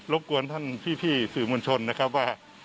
บกวนท่านพี่สื่อมวลชนนะครับว่า